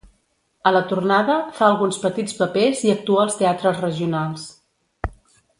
A la tornada, fa alguns petits papers i actua als teatres regionals.